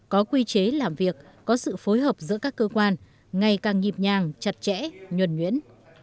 có quy chế làm việc có sự phối hợp giữa các cơ quan ngày càng nhịp nhàng chặt chẽ nhuẩn nhuyễn